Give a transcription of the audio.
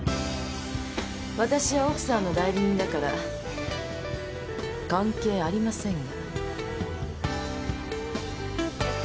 わたしは奥さんの代理人だから関係ありませんが。